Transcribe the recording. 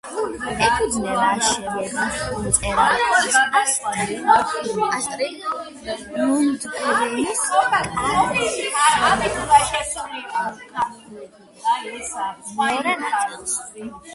ეფუძნება შვედი მწერალ ასტრიდ ლინდგრენის კარლსონის ტრილოგიის მეორე ნაწილს.